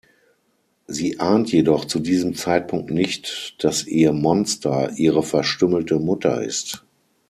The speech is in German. Sie ahnt jedoch zu diesem Zeitpunkt nicht, dass ihr „Monster“ ihre verstümmelte Mutter ist.